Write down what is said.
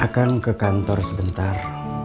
akan ke kantor sebentar